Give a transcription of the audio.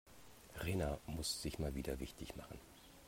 Rena muss sich mal wieder wichtig machen.